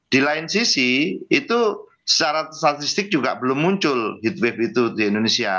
di lain sisi itu secara statistik juga belum muncul heat wave itu di indonesia